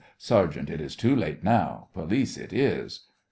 SERGEANT: It is too late now! POLICE: It is!